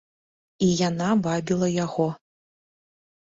І яна вабіла яго.